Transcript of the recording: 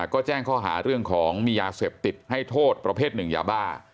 ก็แจ้งข้อหาเรื่องของมียาเสพติดให้โทษประเภทหนึ่งยาบ้า